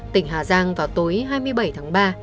tỉnh hà giang vào tối hai mươi bảy tháng ba